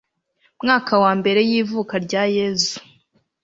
mwaka wa mbere y ivuka rya yezu